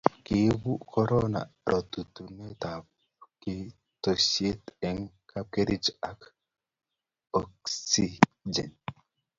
kiibu korona rorunotetab kitokusiek eng' kapkerich ak oksijen